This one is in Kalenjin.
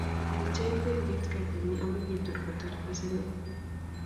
kicheny benkit kaitanyin amu kitur kotar besenet